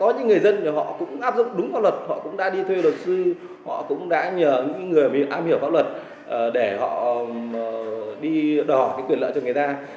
những người dân họ cũng áp dụng đúng pháp luật họ cũng đã đi thuê luật sư họ cũng đã nhờ những người am hiểu pháp luật để họ đi đòi quyền lợi cho người ta